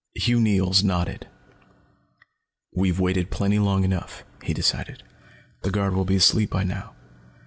Hugh Neils nodded. "We've waited plenty long enough," he decided. "The guard will be asleep by now.